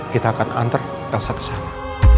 kita akan antar rasa ke sana